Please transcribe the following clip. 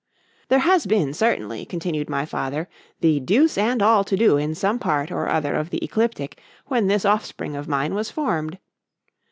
_—There has been certainly, continued my father, the deuce and all to do in some part or other of the ecliptic, when this offspring of mine was formed.